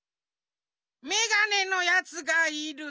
メガネのやつがいる。